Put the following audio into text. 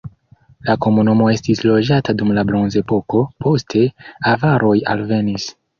La komunumo estis loĝata dum la bronzepoko, poste avaroj alvenis.